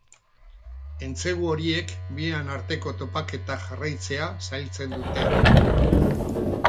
Entsegu horiek bien arteko topaketak jarraitzea zailtzen dute.